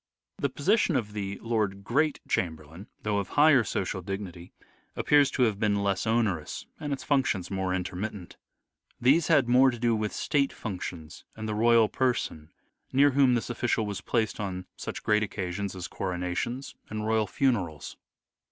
The position of the Lord Great Chamberlain, though of higher social dignity, appears to have been less onerous and its functions more intermittent. These had more to do with state functions and the royal person, near whom this official was placed on such great occasions as coronations and royal funerals.